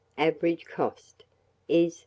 Average cost, is 1s.